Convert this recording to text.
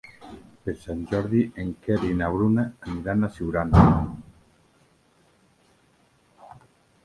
Per Sant Jordi en Quer i na Bruna aniran a Siurana.